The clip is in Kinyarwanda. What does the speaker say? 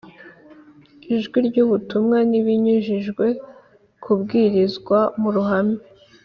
ijwi ry ubutumwa n ibibujijwe kubwirizwa mu ruhame